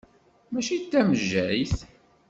Mačči d tamejjayt.